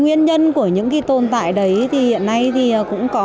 nguyên nhân của những tồn tại đấy thì hiện nay cũng có